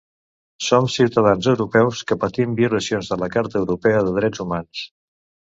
Som ciutadans europeus que patim violacions de la carta europea de drets humans.